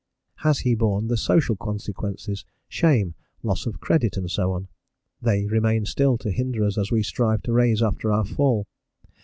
Has he borne the social consequences, shame, loss of credit, and so on? They remain still to hinder us as we strive to rise after our fall.